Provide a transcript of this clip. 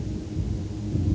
sekarang saya dampak